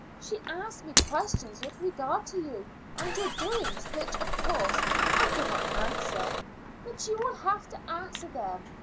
She asked me questions with regard to you and your doings which, of course, I could not answer; but you will have to answer them.